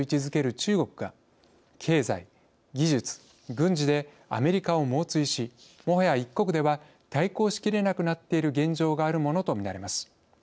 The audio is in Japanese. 中国が経済・技術・軍事でアメリカを猛追しもはや１国では対抗しきれなくなっている現状があるものとみられます。